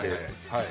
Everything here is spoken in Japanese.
はい。